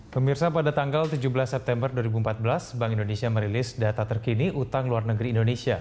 pemirsa pada tanggal tujuh belas september dua ribu empat belas bank indonesia merilis data terkini utang luar negeri indonesia